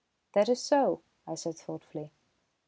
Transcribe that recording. "That is so," I said thoughtfully.